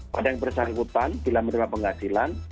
pada yang bersangkutan bila menerima penghasilan